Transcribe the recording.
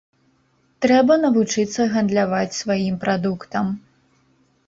Трэба навучыцца гандляваць сваім прадуктам.